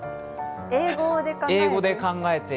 英語で考える？